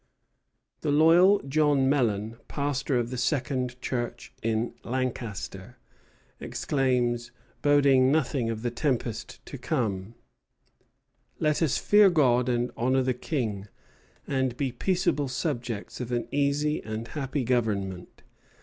The loyal John Mellen, pastor of the Second Church in Lancaster, exclaims, boding nothing of the tempest to come: "Let us fear God and honor the King, and be peaceable subjects of an easy and happy government.